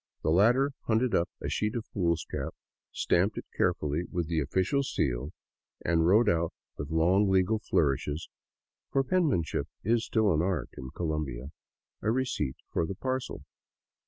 The latter hunted up a sheet of foolscap, stamped it carefully with the office seal, and wrote out with long legal flourishes — for penmanship is still an art in Colombia — a receipt for the parcel.